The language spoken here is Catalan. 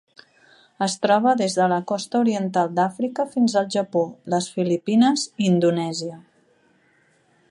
Es troba des de la costa oriental d'Àfrica fins al Japó, les Filipines i Indonèsia.